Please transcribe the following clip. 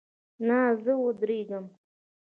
نه، زه ودریږم